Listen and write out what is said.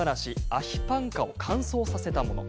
アヒ・パンカを乾燥させたもの。